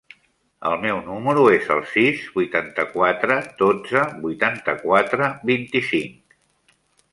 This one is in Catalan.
El meu número es el sis, vuitanta-quatre, dotze, vuitanta-quatre, vint-i-cinc.